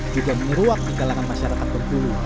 juga menyeruak tinggalan masyarakat bengkulu